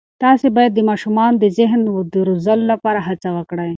تاسې باید د ماشومانو د ذهن د روزلو لپاره هڅه وکړئ.